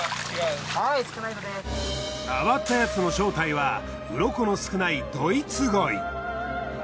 変わったヤツの正体はウロコの少ないドイツゴイ。